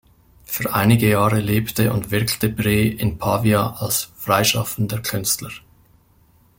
Für einige Jahre lebte und wirkte Bree in Pavia als freischaffender Künstler.